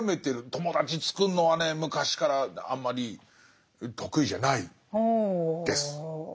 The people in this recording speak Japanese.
友達つくるのはね昔からあんまり得意じゃないです。